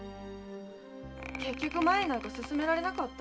結局前へなんか進められなかった。